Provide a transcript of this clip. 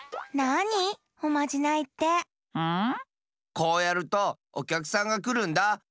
こうやるとおきゃくさんがくるんだ。